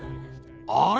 あれ？